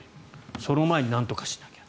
その前になんとかしなきゃ。